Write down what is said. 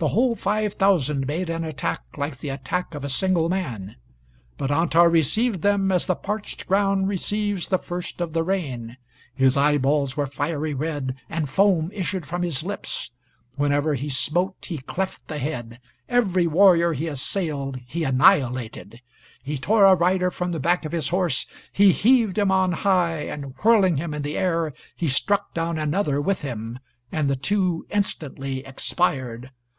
The whole five thousand made an attack like the attack of a single man; but Antar received them as the parched ground receives the first of the rain. His eyeballs were fiery red, and foam issued from his lips; whenever he smote he cleft the head; every warrior he assailed, he annihilated; he tore a rider from the back of his horse, he heaved him on high, and whirling him in the air he struck down another with him, and the two instantly expired.